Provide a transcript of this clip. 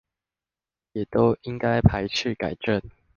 也都應該排斥改正